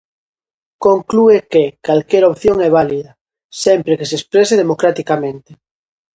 Conclúe que, calquera opción é válida "sempre que se exprese democraticamente".